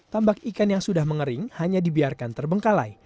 tambak ikan yang sudah mengering hanya dibiarkan terbengkalai